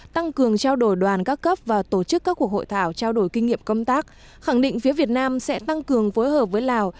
tăng cường trao đổi đoàn các cấp và tổ chức các cuộc hội thảo trao đổi kinh nghiệm công tác khẳng định phía việt nam sẽ tăng cường phối hợp với lào